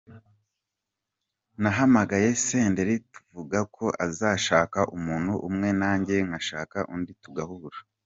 nahamagaye Senderi tuvuga ko azashaka umuntu umwe nanjye ngashaka undi tugahura.